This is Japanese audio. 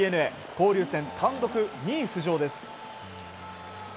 交流戦単独２位浮上です。